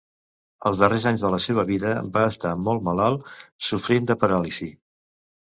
Els darrers anys de la seva vida va estar molt malalt, sofrint de paràlisi.